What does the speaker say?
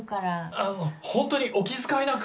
あのホントにお気遣いなく。